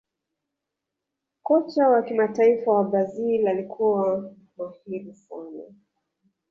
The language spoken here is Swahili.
kocha wa kimataifa wa Brazil alikuwa mahiri sana